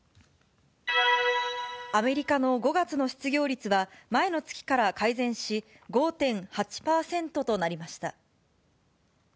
アメリカの５月の失業率は、前の月から改善し、５．８％となりました。